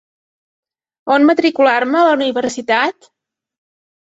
On matricular-me a la universitat?